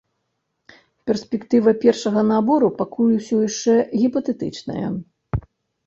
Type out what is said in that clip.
Перспектыва першага набору пакуль усё яшчэ гіпатэтычныя.